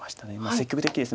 積極的です。